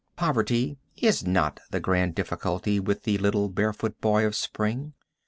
Poverty is not the grand difficulty with the little barefoot boy of spring.